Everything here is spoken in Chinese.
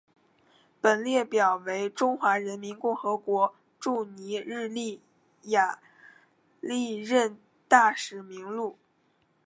本列表为中华人民共和国驻尼日利亚历任大使名录。